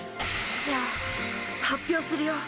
じゃあ発表するよ。